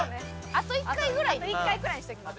あと１回ぐらいにしときますか。